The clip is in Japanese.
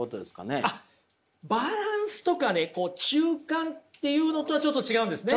あっバランスとかね中間っていうのとはちょっと違うんですね。